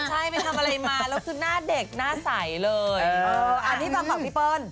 ใช่ไปทำอะไรมาแล้วซึ่งหน้าเด็กหน้าใสเลยเอออาที่ต่อมาส่งถูก